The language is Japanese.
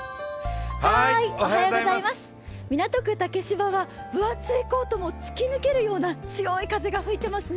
港区竹芝は分厚いコートも突き抜けるような強い風が吹いてますね。